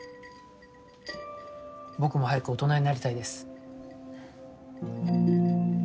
僕も早く大人になりたいです。